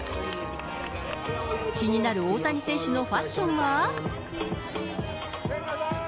気になる大谷選手のファッションは？